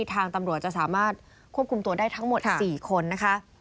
ทางตำรวจจะสามารถควบคุมตัวได้ทั้งหมด๔คนนะคะ